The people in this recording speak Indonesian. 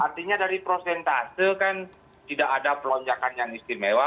artinya dari prosentase kan tidak ada pelonjakan yang istimewa